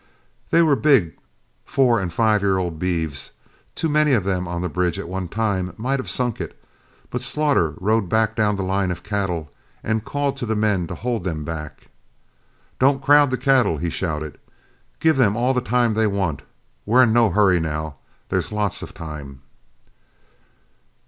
They were big four and five year old beeves, and too many of them on the bridge at one time might have sunk it, but Slaughter rode back down the line of cattle and called to the men to hold them back. "Don't crowd the cattle," he shouted. "Give them all the time they want. We're in no hurry now; there's lots of time."